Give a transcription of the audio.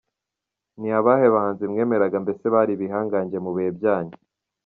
Ni abahe bahanzi mwemeraga, mbese bari ibihangange mu bihe byanyu?.